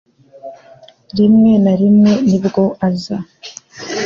rimwe na rimwe nibwo aza